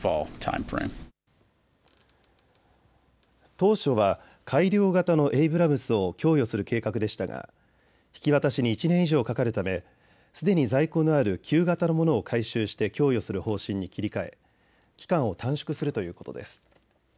当初は改良型のエイブラムスを供与する計画でしたが引き渡しに１年以上かかるためすでに在庫のある旧型のものを改修して供与する方針に切り替え期間を短縮するということです。